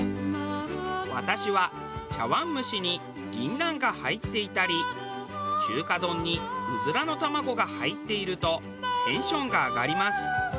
私は茶碗蒸しに銀杏が入っていたり中華丼にうずらの卵が入っているとテンションが上がります。